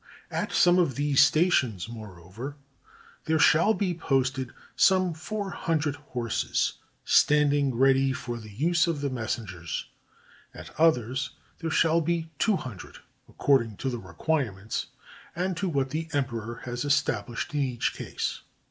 At some of these stations, moreover, there shall be posted some four hundred horses, standing ready for the use of the messengers ; at others there shall be two hun dred, according to the requirements, and to what the emperor has estabhshed in each case.